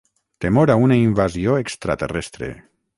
Temor a una invasió extraterrestre.